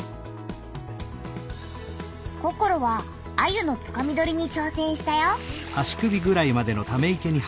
ココロはアユのつかみ取りにちょうせんしたよ。